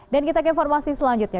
dan kita ke informasi selanjutnya